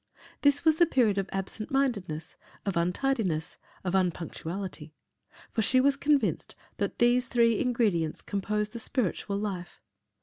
This was the period of absent mindedness, of untidiness, of unpunctuality, for she was convinced that these three ingredients compose the spiritual life.